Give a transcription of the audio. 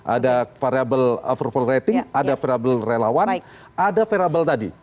ada verabel overpoll rating ada verabel relawan ada verabel tadi